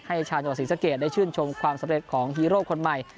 ชาวจังหวัดศรีสะเกดได้ชื่นชมความสำเร็จของฮีโร่คนใหม่